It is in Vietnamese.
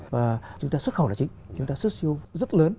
và chúng ta xuất khẩu là chính chúng ta xuất siêu rất lớn